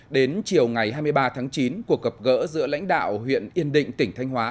đến chiều ngày hai mươi ba tháng chín cuộc gặp gỡ giữa lãnh đạo huyện yên định tỉnh thanh hóa